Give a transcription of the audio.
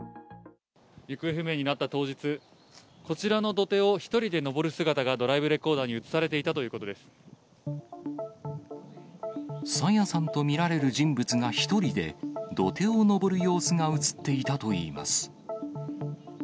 行方不明になった当日、こちらの土手を１人で登る姿がドライブレコーダーに写されていた朝芽さんと見られる人物が１人で、土手を登る様子が写っていたといいます。